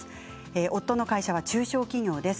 夫の会社は中小企業です。